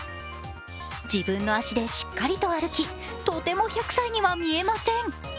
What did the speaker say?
自分の足でしっかりと歩きとても１００歳には見えません。